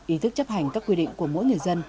ý thức chấp hành các quy định của mỗi người dân